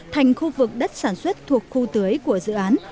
thành khu vực đất sản xuất thuộc khu tưới của dự án